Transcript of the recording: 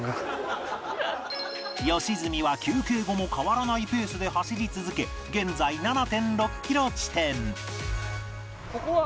良純は休憩後も変わらないペースで走り続け現在 ７．６ キロ地点